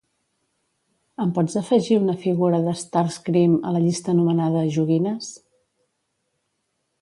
Em pots afegir una figura de Starscream a la llista anomenada "Joguines"?